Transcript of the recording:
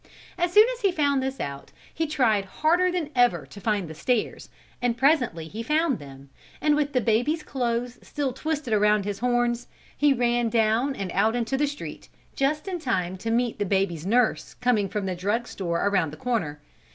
As soon as he found this out, he tried harder than ever to find the stairs and presently he found them, and with the baby's clothes still twisted around his horns he ran down and out into the street, just in time to meet the baby's nurse coming from the drugstore around the corner.